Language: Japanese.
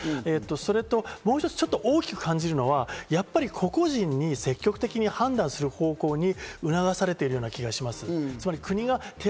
それともう一つ、大きく感じるのはやっぱり、個々人に積極的に判断する方向に促されてる気がします。